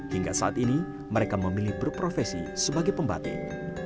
hingga saat ini mereka memilih berprofesi sebagai pembatik